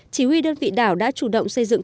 chỉ huy đơn vị đảo đã chủ động xây dựng